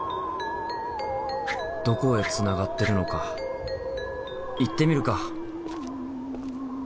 どこへつながってるのか行ってみるか。